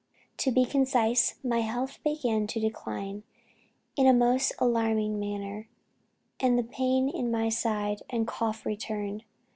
To be concise, my health began to decline in a most alarming manner, and the pain in my side and cough returned.